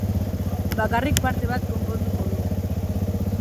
Bakarrik parte bat konponduko du.